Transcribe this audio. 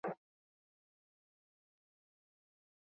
Bere anai bikia Ander futbolaria da ere.